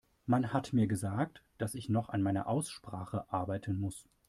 Man hat mir gesagt, dass ich noch an meiner Aussprache arbeiten muss.